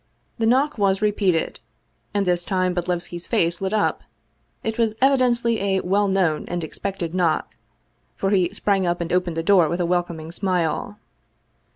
The knock was repeated and this time Bodlevski's face lit up. It was evidently a well known and expected knock, for he sprang up and opened the door with a welcoming smile.